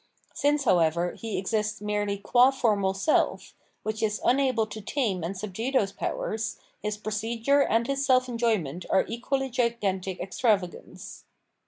Since, however, he exists merely qua formal self, which is unable to tame and subdue those powers, his 484 Phenomenology of Mind proceduie and his self enjoyment are equally gigantic extravagance.